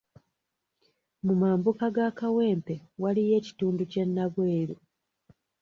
Mu mambuka ga Kawempe waliyo ekitundu kye Nabweru.